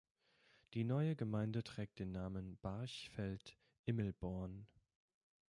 Die neue Gemeinde trägt den Namen Barchfeld-Immelborn.